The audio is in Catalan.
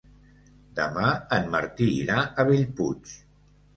Demà en Martí irà a Bellpuig.